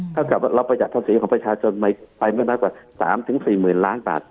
ถ้าเกิดรับประหยัดภาษีของประชาชนไปไม่มากกว่า๓๔หมื่นล้านบาท